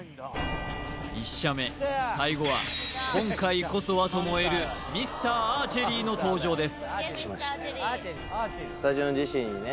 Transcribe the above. １射目最後は「今回こそは」と燃えるミスターアーチェリーの登場です